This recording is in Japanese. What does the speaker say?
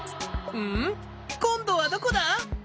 こんどはどこだ？